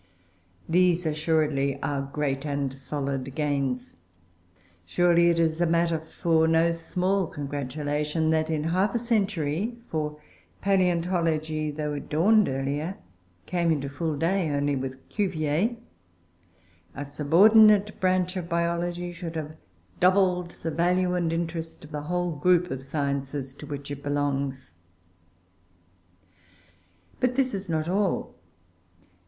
These assuredly are great and solid gains. Surely it is matter for no small congratulation that in half a century (for palaeontology, though it dawned earlier, came into full day only with Cuvier) a subordinate branch of biology should have doubled the value and the interest of the whole group of sciences to which it belongs. But this is not all.